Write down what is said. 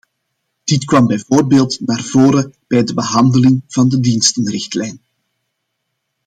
Dit kwam bijvoorbeeld naar voren bij de behandeling van de dienstenrichtlijn.